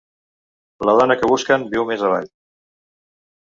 La dona que busquen viu més avall.